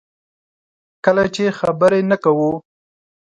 کله چې خبرې نه کوو.